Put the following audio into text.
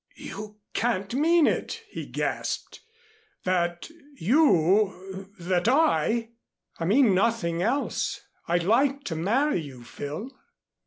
"You can't mean it," he gasped. "That you that I " "I mean nothing else. I'd like to marry you, Phil."